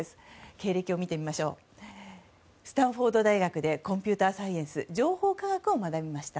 経歴を見てみるとスタンフォード大学でコンピューターサイエンス情報科学を学びました。